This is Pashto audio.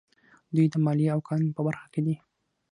دوی د مالیې او قانون په برخه کې دي.